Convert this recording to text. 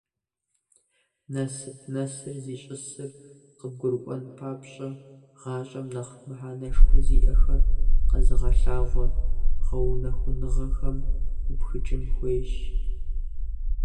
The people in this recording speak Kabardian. Насып нэсыр зищӀысыр къыбгурыӀуэн папщӀэ, гъащӏэм нэхъ мыхьэнэшхуэ зиӏэхэр къэзыгъэлъагъуэ гъэунэхуныгъэхэм упхыкӀын хуейщ.